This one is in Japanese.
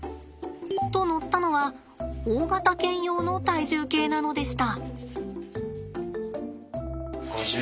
と乗ったのは大型犬用の体重計なのでした。